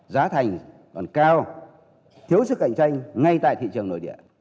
giá thành còn cao thiếu sức cạnh tranh ngay tại thị trường nội địa